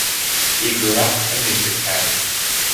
He grew up a music fan.